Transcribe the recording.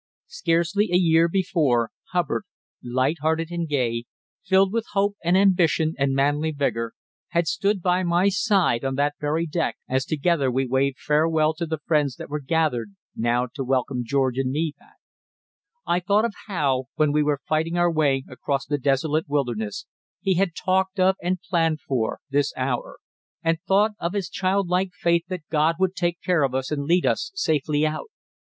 Scarcely a year before, Hubbard, light hearted and gay, filled with hope and ambition and manly vigour, had stood by my side on that very deck as together we waved farewell to the friends that were gathered now to welcome George and me back. I thought of how, when we were fighting our way across the desolate wilderness, he had talked of, and planned for, this hour; and thought of his childlike faith that God would take care of us and lead us safely out.